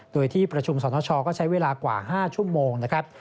โดยที่ประชุมสนชก็ใช้เวลากว่า๕ชั่วโมงนะครับ